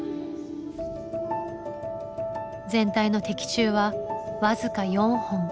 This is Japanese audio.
全体の的中は僅か４本。